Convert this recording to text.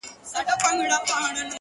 « لکه شمع په خندا کي مي ژړا ده ٫